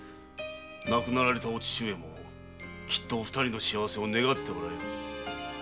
亡くなられたお父上もきっと二人の幸せを願っておられる。